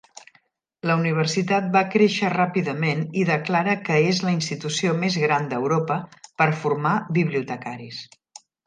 La universitat va créixer ràpidament i declara que és la institució més gran d"Europa per formar bibliotecaris.